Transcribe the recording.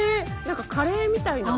何かカレーみたいな？